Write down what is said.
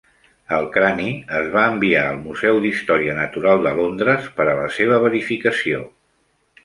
El crani es va enviar al Museu d'Història Natural de Londres per a la seva verificació.